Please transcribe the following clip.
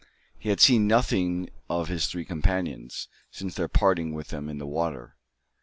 He had seen nothing of his three companions, since parting with them in the water.